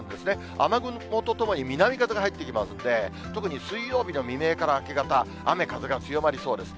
雨雲とともに、南風が入ってきますので、特に水曜日の未明から明け方、雨風が強まりそうです。